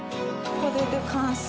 これで完成？